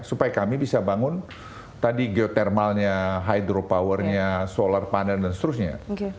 supaya kami bisa bangun tadi geotermalnya hydropowernya solar panel dan seterusnya